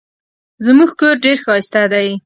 زموږ کور ډېر ښایسته دی.